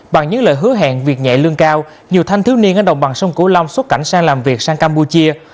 bằng những lời hứa hẹn việc nhẹ lương cao nhiều thanh thiếu niên ở đồng bằng sông cửu long xuất cảnh sang làm việc sang campuchia